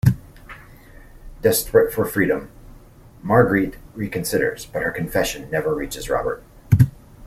Desperate for freedom, Marguerite reconsiders, but her "confession" never reaches Robert.